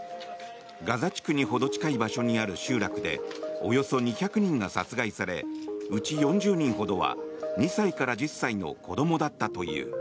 ガザ地区にほど近い場所にある集落でおよそ２００人が殺害されうち４０人ほどは２歳から１０歳の子どもだったという。